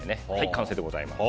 完成でございます。